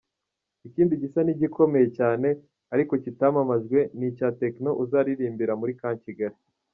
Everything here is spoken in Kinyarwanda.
Ikindi gisa n’igikomeye cyane ariko kitamamajwe ni icya Tekno uzaririmbira muri Camp Kigali.